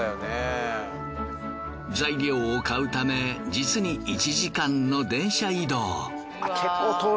材料を買うため実に１時間の電車移動。